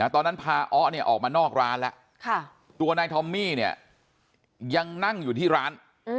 ตอนนั้นพาอ๊อออกมานอกร้านแล้วตัวนายทอมมี่เนี่ยยังนั่งอยู่ที่ร้าน